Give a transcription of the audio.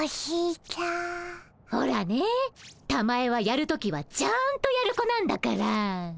ほらねたまえはやる時はちゃんとやる子なんだから。